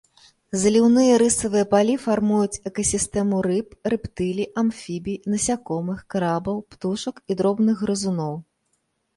Заліўныя рысавыя палі фармуюць экасістэму рыб, рэптылій, амфібій, насякомых, крабаў, птушак і дробных грызуноў.